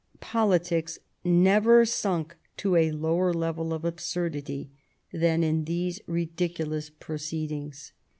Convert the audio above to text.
Politics never sunk to a lower level of absurdity than in these ridiculous proceedings.